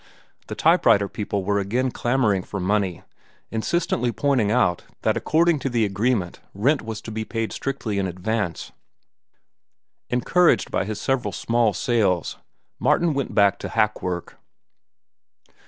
The type writer people were again clamoring for money, insistently pointing out that according to the agreement rent was to be paid strictly in advance. Encouraged by his several small sales, Martin went back to hack work.